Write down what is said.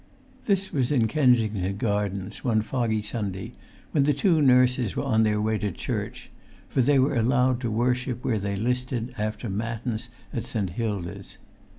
This was in Kensington Gardens, one foggy Sunday, when the two nurses were on their way to church; for they were allowed to worship where they listed after matins at St. Hilda's.